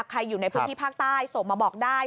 อยู่ในพื้นที่ภาคใต้ส่งมาบอกได้